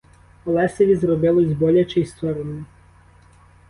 Олесеві зробилось боляче й соромно.